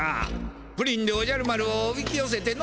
プリンでおじゃる丸をおびきよせての。